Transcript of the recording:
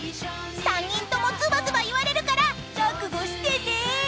［３人ともズバズバ言われるから覚悟してね］